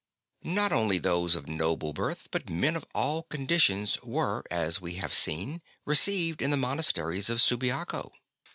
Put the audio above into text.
Not only those of noble birth but men of all conditions were, as we have seen, received in the monasteries of Subiaco.